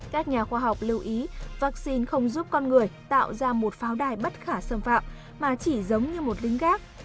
các nhà khoa học lưu ý vaccine không giúp con người tạo ra một pháo đài bất khả xâm phạm mà chỉ giống như một đính gác